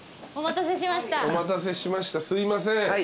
お待たせしましたすいません。